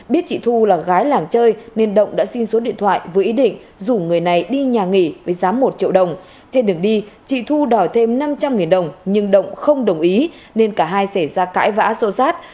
biết chị thu là gái làng chơi nên động đã xin số điện thoại với ý định rủ người này đi nhà nghỉ với giá một triệu đồng trên đường đi chị thu đòi thêm năm trăm linh đồng nhưng động không đồng ý nên cả hai xảy ra cãi vã sô sát